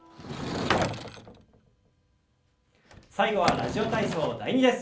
最後は「ラジオ体操第２」です。